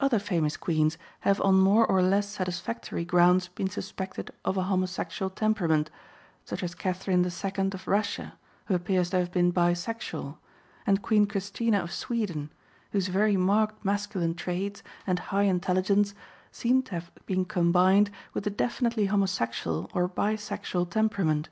Other famous queens have on more or less satisfactory grounds been suspected of a homosexual temperament, such as Catherine II of Russia, who appears to have been bisexual, and Queen Christina of Sweden, whose very marked masculine traits and high intelligence seem to have been combined with a definitely homosexual or bisexual temperament.